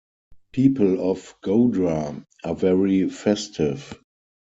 People of Godhra are very festive.